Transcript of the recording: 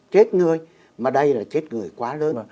chết người mà đây là chết người quá lớn